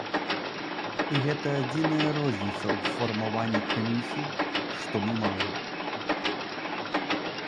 І гэта адзіная розніца ў фармаванні камісій, што мы маем.